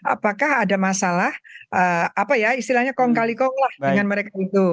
apakah ada masalah apa ya istilahnya kong kali kong lah dengan mereka itu